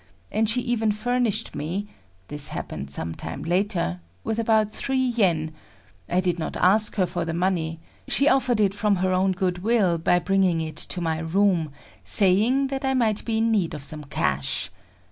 And she even furnished me,—this happened some time later,—with about three yen, I did not ask her for the money; she offered it from her own good will by bringing it to my room, saying that I might be in need of some cash.